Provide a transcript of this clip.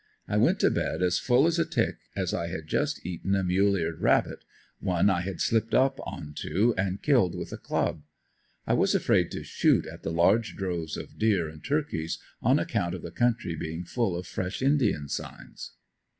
I went to bed as full as a tick, as I had just eaten a mule eared rabbit, one I had slipped up onto and killed with a club. I was afraid to shoot at the large droves of deer and turkeys, on account of the country being full of fresh indian signs.